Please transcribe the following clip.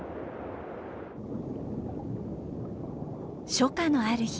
初夏のある日。